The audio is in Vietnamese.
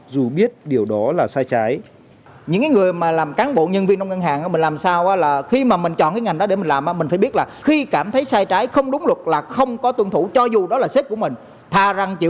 dù biết điều đó là sai trái